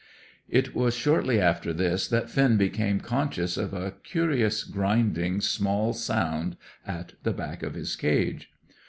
It was shortly after this that Finn became conscious of a curious grinding small sound at the back of his cage.